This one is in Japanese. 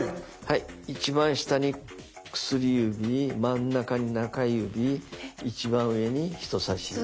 一番下に薬指真ん中に中指一番上に人さし指。